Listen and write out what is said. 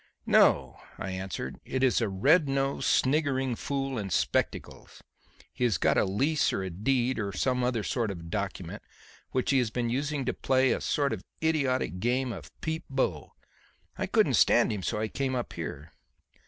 "No," I answered. "It is a red nosed, sniggering fool in spectacles. He has got a lease or a deed or some other sort of document which he has been using to play a sort of idiotic game of Peep Bo! I couldn't stand him, so I came up here."